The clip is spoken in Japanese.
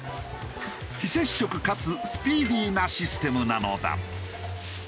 非接触かつスピーディーなシステムなのだ。